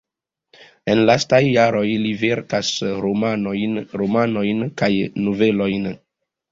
En lastaj jaroj li verkas romanojn kaj novelojn.